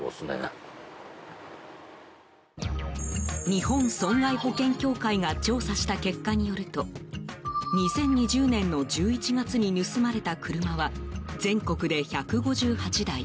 日本損害保険協会が調査した結果によると２０２０年の１１月に盗まれた車は、全国で１５８台。